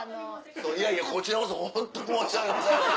いやいやこちらこそホントに申し訳ございません。